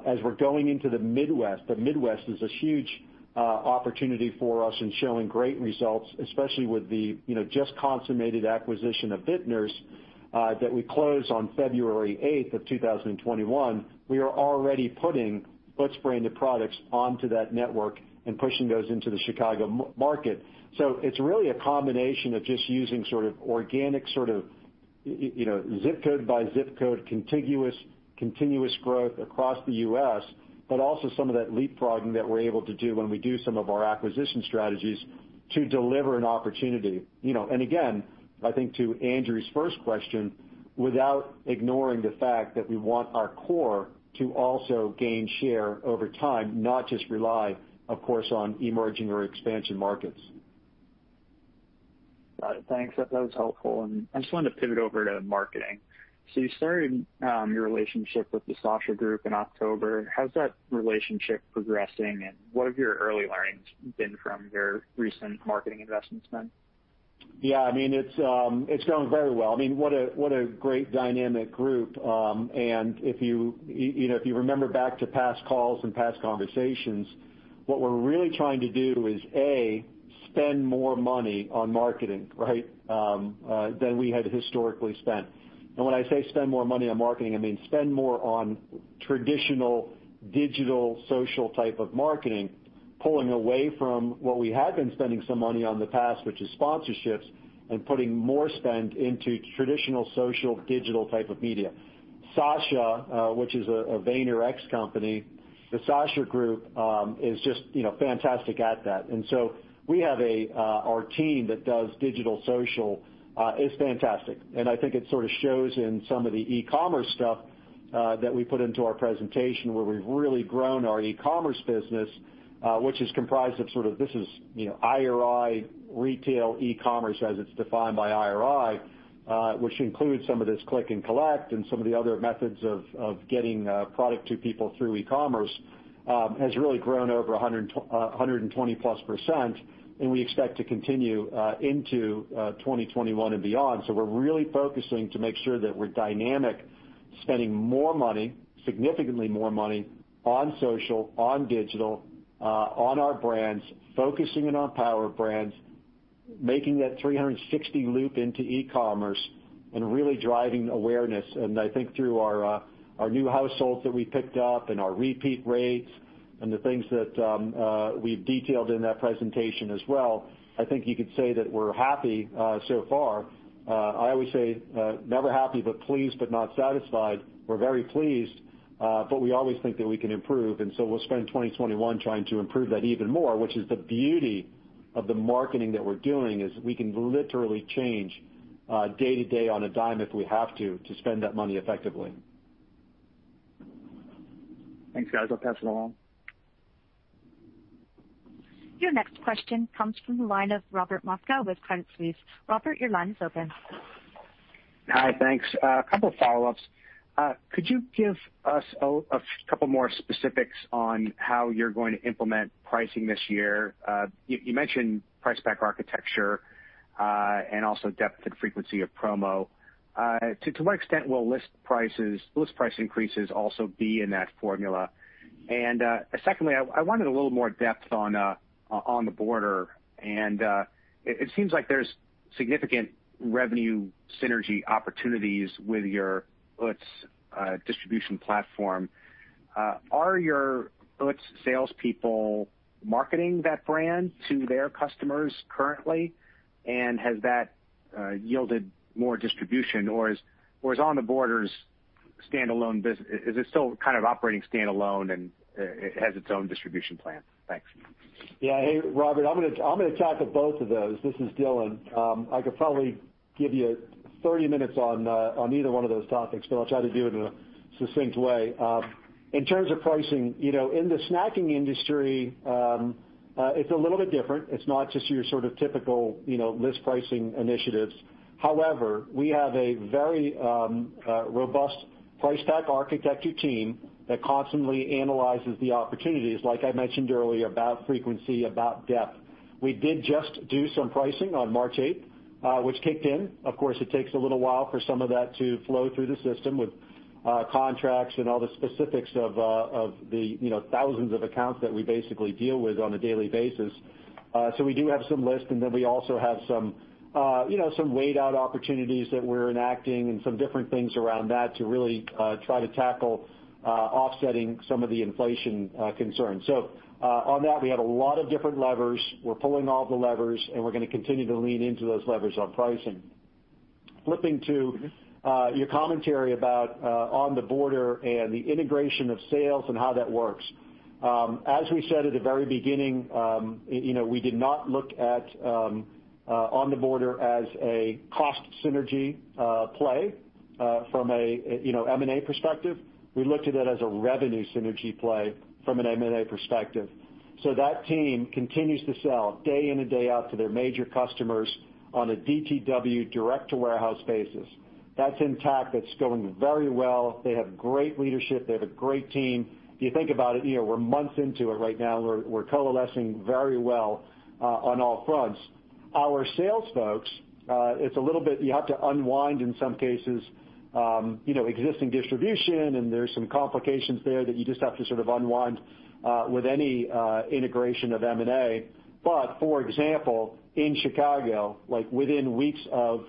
as we're going into the Midwest. The Midwest is a huge opportunity for us and showing great results, especially with the just consummated acquisition of Vitner's, that we closed on February 8, 2021. We are already putting Utz-branded products onto that network and pushing those into the Chicago market. It's really a combination of just using organic sort of, zip code by zip code, contiguous, continuous growth across the U.S., but also some of that leapfrogging that we're able to do when we do some of our acquisition strategies to deliver an opportunity. Again, I think to Andrew's first question, without ignoring the fact that we want our core to also gain share over time, not just rely, of course, on emerging or expansion markets. Got it. Thanks. That was helpful. I just wanted to pivot over to marketing. You started your relationship with The Sasha Group in October. How's that relationship progressing, and what have your early learnings been from your recent marketing investments? Yeah. It's going very well. What a great dynamic group. If you remember back to past calls and past conversations, what we're really trying to do is, A, spend more money on marketing than we had historically spent. When I say spend more money on marketing, I mean spend more on traditional digital social type of marketing, pulling away from what we had been spending some money on the past, which is sponsorships, and putting more spend into traditional social, digital type of media. Sasha, which is a VaynerX company, The Sasha Group is just fantastic at that. Our team that does digital social, is fantastic. I think it shows in some of the e-commerce stuff that we put into our presentation, where we've really grown our e-commerce business, which is comprised of IRI retail e-commerce as it's defined by IRI, which includes some of this click and collect and some of the other methods of getting product to people through e-commerce, has really grown over 120+%, and we expect to continue into 2021 and beyond. We're really focusing to make sure that we're dynamic, spending more money, significantly more money on social, on digital, on our brands, focusing in on Power Brands, making that 360 loop into e-commerce and really driving awareness. I think through our new households that we picked up and our repeat rates and the things that we've detailed in that presentation as well, I think you could say that we're happy so far. I always say never happy, but pleased but not satisfied. We're very pleased. We always think that we can improve. We'll spend 2021 trying to improve that even more, which is the beauty of the marketing that we're doing, is we can literally change day to day on a dime if we have to spend that money effectively. Thanks, guys. I'll pass it along. Your next question comes from the line of Robert Moskow with Credit Suisse. Robert, your line is open. Hi, thanks. A couple follow-ups. Could you give us a couple more specifics on how you're going to implement pricing this year? You mentioned price-pack architecture, and also depth and frequency of promo. To what extent will list price increases also be in that formula? Secondly, I wanted a little more depth On The Border, and it seems like there's significant revenue synergy opportunities with your Utz distribution platform. Are your Utz salespeople marketing that brand to their customers currently? Has that yielded more distribution, or is On The Border's standalone business, is it still kind of operating standalone and has its own distribution plan? Thanks. Yeah. Hey, Robert, I'm going to talk to both of those. This is Dylan. I could probably give you 30 minutes on either one of those topics, but I'll try to do it in a succinct way. In terms of pricing, in the snacking industry, it's a little bit different. It's not just your sort of typical list pricing initiatives. However, we have a very robust price stack architecture team that constantly analyzes the opportunities, like I mentioned earlier, about frequency, about depth. We did just do some pricing on March 8th, which kicked in. Of course, it takes a little while for some of that to flow through the system with contracts and all the specifics of the thousands of accounts that we basically deal with on a daily basis. We do have some lists, and then we also have some weighed-out opportunities that we're enacting and some different things around that to really try to tackle offsetting some of the inflation concerns. On that, we have a lot of different levers. We're pulling all the levers, and we're going to continue to lean into those levers on pricing. Flipping to your commentary about On The Border and the integration of sales and how that works. As we said at the very beginning, we did not look at On The Border as a cost synergy play from a M&A perspective. We looked at it as a revenue synergy play from an M&A perspective. That team continues to sell day in and day out to their major customers on a DTW direct-to-warehouse basis. That's intact. That's going very well. They have great leadership. They have a great team. If you think about it, we're months into it right now. We're coalescing very well on all fronts. Our sales folks, you have to unwind, in some cases, existing distribution, and there's some complications there that you just have to sort of unwind with any integration of M&A. For example, in Chicago, within weeks of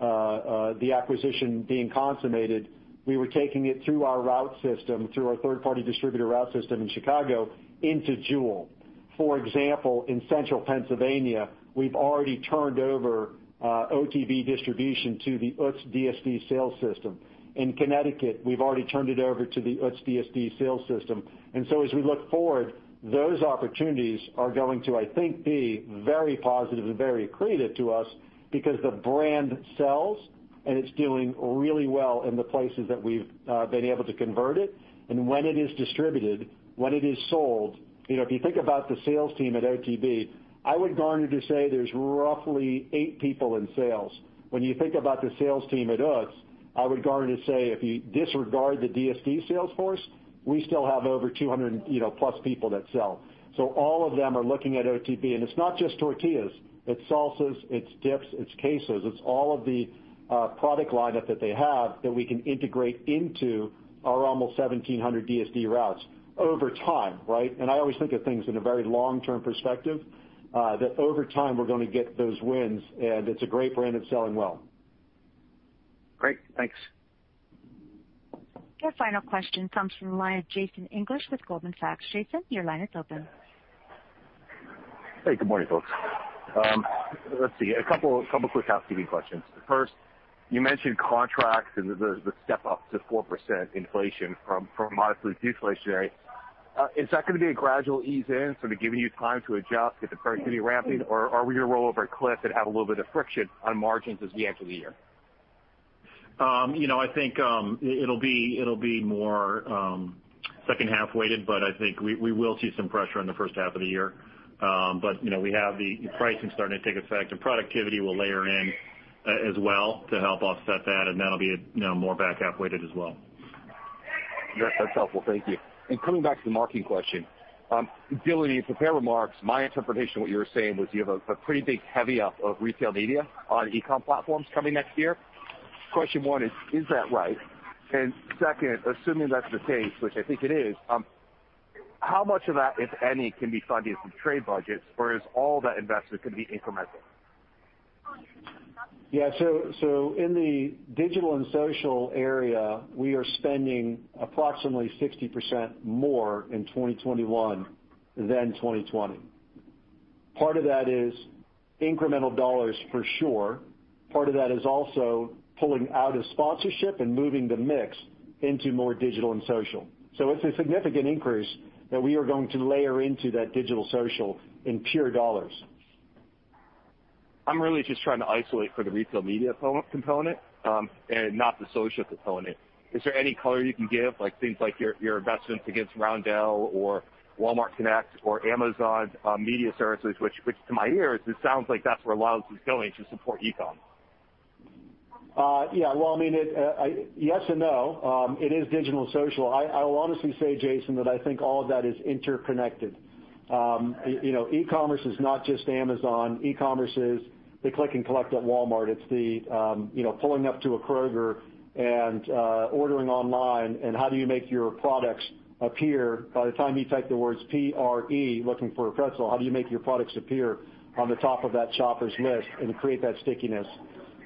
the acquisition being consummated, we were taking it through our route system, through our third-party distributor route system in Chicago into Jewel-Osco. For example, in Central Pennsylvania, we've already turned over OTB distribution to the Utz DSD sales system. In Connecticut, we've already turned it over to the Utz DSD sales system. As we look forward, those opportunities are going to, I think, be very positive and very accretive to us because the brand sells and it's doing really well in the places that we've been able to convert it. When it is distributed, when it is sold, if you think about the sales team at OTB, I would garner to say there's roughly eight people in sales. When you think about the sales team at Utz, I would garner to say, if you disregard the DSD sales force, we still have over 200-plus people that sell. All of them are looking at OTB, and it's not just tortillas. It's salsas, it's dips, it's cases. It's all of the product lineup that they have that we can integrate into our almost 1,700 DSD routes over time, right? I always think of things in a very long-term perspective, that over time we're going to get those wins, and it's a great brand. It's selling well. Great. Thanks. Your final question comes from the line of Jason English with Goldman Sachs. Jason, your line is open. Hey, good morning, folks. Let's see, a couple of quick housekeeping questions. First, you mentioned contracts and the step-up to 4% inflation from modestly deflationary. Is that going to be a gradual ease in, sort of giving you time to adjust, get the productivity ramping? Or are we going to roll over a cliff and have a little bit of friction on margins as we enter the year? I think it'll be more second half-weighted, but I think we will see some pressure in the first half of the year. We have the pricing starting to take effect, and productivity will layer in as well to help offset that, and that'll be more back half-weighted as well. That's helpful. Thank you. Coming back to the marketing question. Dylan, in prepared remarks, my interpretation of what you were saying was you have a pretty big heavy-up of retail media on e-com platforms coming next year. Question one is that right? Second, assuming that's the case, which I think it is, how much of that, if any, can be funded from trade budgets, or is all that invested going to be incremental? In the digital and social area, we are spending approximately 60% more in 2021 than 2020. Part of that is incremental dollars for sure. Part of that is also pulling out of sponsorship and moving the mix into more digital and social. It's a significant increase that we are going to layer into that digital social in pure dollars. I'm really just trying to isolate for the retail media component and not the social component. Is there any color you can give, things like your investments against Roundel or Walmart Connect or Amazon media services, which to my ears, it sounds like that's where a lot of this is going to support e-com. Yeah. Well, yes and no. It is digital and social. I will honestly say, Jason, that I think all of that is interconnected. E-commerce is not just Amazon. E-commerce is the click and collect at Walmart. It's the pulling up to a Kroger and ordering online and how do you make your products appear by the time you type the words P-R-E looking for a pretzel, how do you make your products appear on the top of that shopper's list and create that stickiness?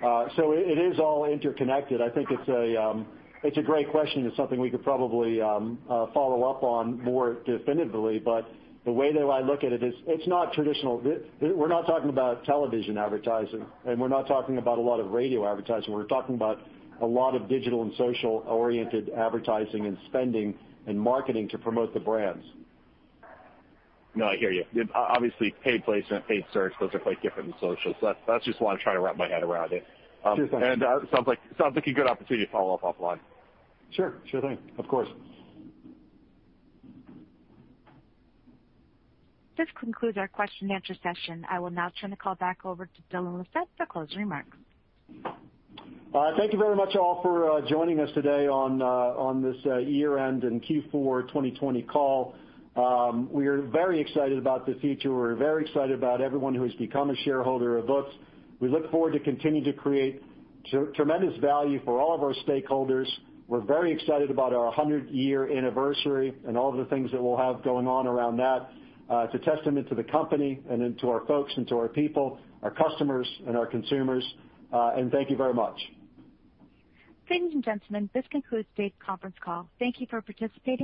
It is all interconnected. I think it's a great question. It's something we could probably follow up on more definitively. The way that I look at it is it's not traditional. We're not talking about television advertising, and we're not talking about a lot of radio advertising. We're talking about a lot of digital and social-oriented advertising and spending and marketing to promote the brands. No, I hear you. Obviously, paid placement, paid search, those are quite different than social. That's just why I'm trying to wrap my head around it. Sure thing. Sounds like a good opportunity to follow up offline. Sure. Sure thing. Of course. This concludes our question and answer session. I will now turn the call back over to Dylan Lissette for closing remarks. Thank you very much, all, for joining us today on this year-end and Q4 2020 call. We are very excited about the future. We're very excited about everyone who has become a shareholder of Utz. We look forward to continue to create tremendous value for all of our stakeholders. We're very excited about our 100-year anniversary and all of the things that we'll have going on around that to testament to the company and to our folks and to our people, our customers, and our consumers. Thank you very much. Ladies and gentlemen, this concludes today's conference call. Thank you for participating.